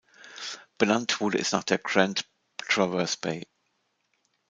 Benannt wurde es nach der Grand Traverse Bay.